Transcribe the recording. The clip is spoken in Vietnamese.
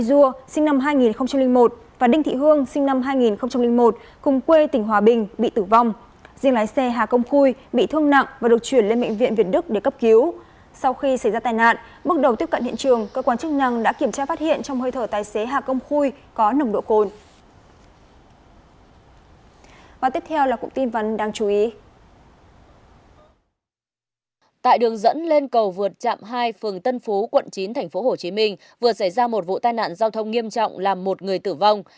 tại đường dẫn lên cầu vượt chạm hai phường tân phú quận chín tp hcm vừa xảy ra một vụ tai nạn giao thông nghiêm trọng làm một người tử vong